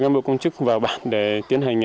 các bộ công chức và bản để tiến hành